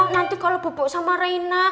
nanti kalau bu bu sama reina